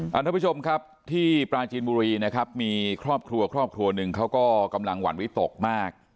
ท่านผู้ชมครับที่ปราจีนบุรีนะครับมีครอบครัวครอบครัวหนึ่งเขาก็กำลังหวั่นวิตกมาก